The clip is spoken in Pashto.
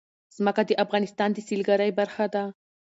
ځمکه د افغانستان د سیلګرۍ برخه ده.